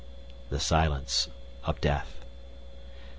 The silence of death.